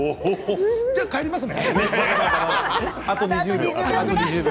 じゃあ、帰りますね。